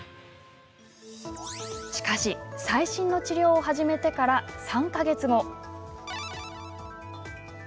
しかし、最新の治療を始めてから３か月後。